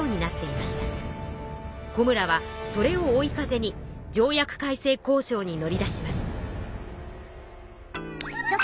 小村はそれを追い風に条約改正交渉に乗り出します。